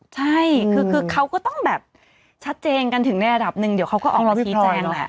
ใช่คือเขาก็ต้องแบบชัดเจนกันถึงในระดับหนึ่งเดี๋ยวเขาก็ออกมาชี้แจงแหละ